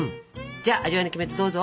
じゃあ味わいのキメテどうぞ。